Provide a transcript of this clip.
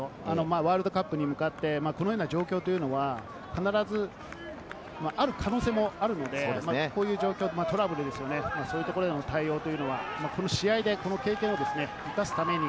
ワールドカップに向かって、このような状況というのは必ず、ある可能性があるので、この状況やトラブルですよね、そういうところの対応は、この試合の経験を生かすために。